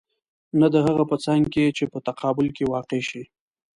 نه د هغه په څنګ کې چې په تقابل کې واقع شي.